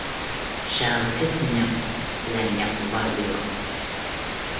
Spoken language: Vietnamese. sao thích nhập là nhập vào được